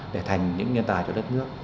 để thành những nhân tài chủ đề